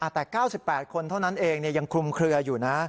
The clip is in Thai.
แต่๙๘คนเท่านั้นเองยังคลุมเคลืออยู่นะ